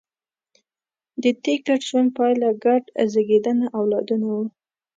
د دې ګډ ژوند پایله ګډ زېږنده اولادونه وو.